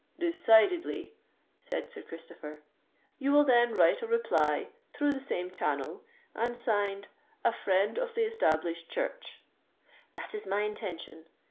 "Decidedly," said Sir Christopher. "You will then write a reply, through the same channel, and signed 'A Friend of the Established Church.'" "That is my intention.